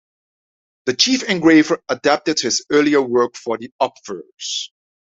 The chief engraver adapted his earlier work for the obverse.